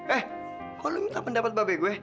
eh kalau lo minta pendapat babe gue